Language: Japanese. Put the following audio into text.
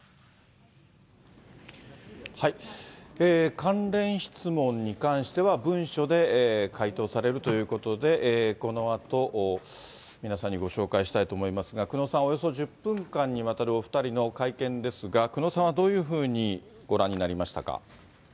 関連質問に関しては、文書で回答されるということで、このあと、皆さんにご紹介したいと思いますが、久能さん、およそ１０分間にわたるお２人の会見ですが、久能さんはどういうふうにご覧になりましたか。